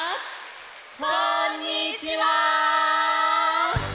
こんにちは！